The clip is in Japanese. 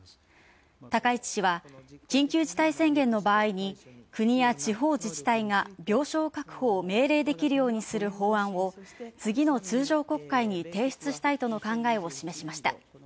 高市氏は緊急事態宣言の場合に国や地方自治体が病床確保を命令できるようにする法案を次の通常国会に提出したいとの考えを示しました。